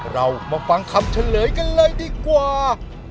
เรามาฟังคำเฉลยกันเลยดีกว่า